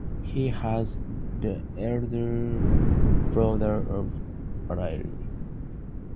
He was the elder brother of Cornelius Varley.